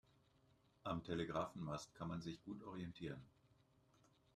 Am Telegrafenmast kann man sich gut orientieren.